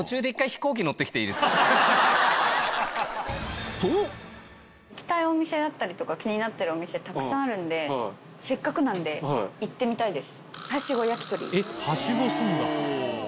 行きたいお店だったりとか気になってるお店たくさんあるんでせっかくなんで行ってみたいです。